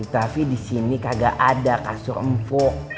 tapi di sini kagak ada kasur empuk